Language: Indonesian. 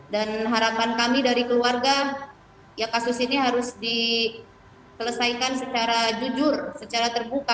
dan harapan kami dari keluarga ya kasus ini harus dikelesaikan secara jujur secara terbuka